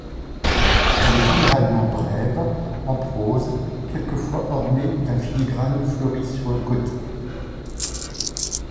Elle est généralement brève, en prose, quelquefois ornée d'un filigrane fleuri sur le côté.